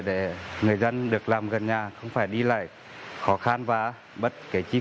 để người dân được làm gần nhà không phải đi lại khó khăn và bất kỳ chi